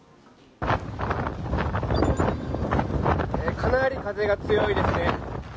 かなり風が強いですね。